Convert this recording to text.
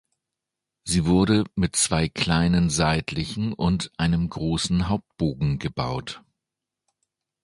Sie wurde mit zwei kleinen seitlichen und einem großen Hauptbogen gebaut.